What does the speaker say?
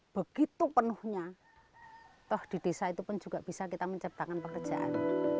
begitu penuhnya toh di desa itu pun juga bisa kita menciptakan pekerjaan